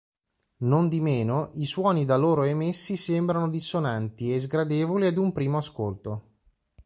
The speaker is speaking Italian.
Nondimeno, i suoni da loro emessi sembrano dissonanti e sgradevoli ad un primo ascolto.